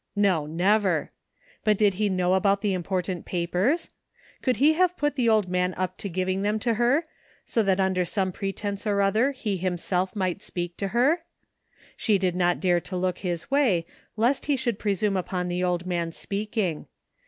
No, never 1 But did he know about the important papers? Could he have put the old man up to giving them to her, so that, under some pretence or other, he himself might speak to her ? She did not dare to look his way lest he should presume upon the old man's speaking.